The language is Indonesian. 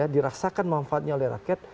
dirasakan manfaatnya oleh rakyat